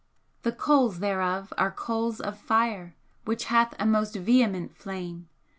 the coals thereof are coals of fire which hath a most vehement flame!